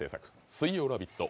水曜「ラヴィット！」